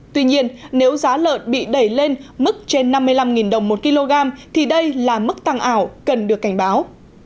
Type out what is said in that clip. tuy nhiên nếu giá lợn bị đẩy lên mức trên năm mươi năm đồng một kg thì đây là mức tăng ảo cần được cảnh báo